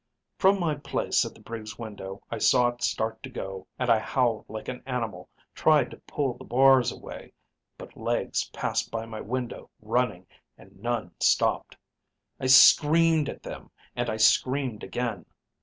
"From my place at the brig's window I saw it start to go and I howled like an animal, tried to pull the bars away. But legs passed my window running, and none stopped. I screamed at them, and I screamed again.